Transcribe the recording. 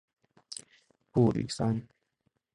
布吕桑。